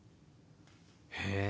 へえ。